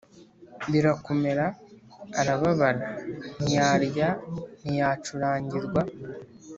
birakomera arababara ntiyarya ntiyacurangirwa